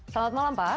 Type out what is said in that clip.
selamat malam pak